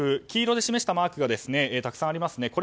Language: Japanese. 黄色で示したマークがたくさんありますね。